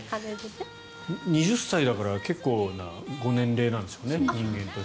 ２０歳だから結構なご年齢なんでしょうね。